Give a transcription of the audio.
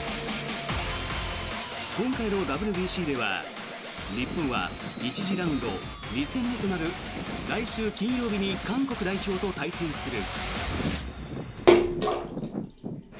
今回のＷＢＣでは日本は１次ラウンド２戦目となる来週金曜日に韓国代表と対戦する。